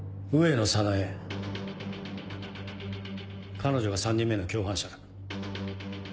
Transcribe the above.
彼女が３人目の共犯者だ。